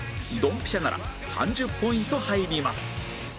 ドンピシャなら３０ポイント入ります